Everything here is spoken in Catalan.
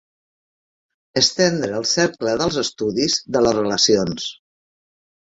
Estendre el cercle dels estudis, de les relacions.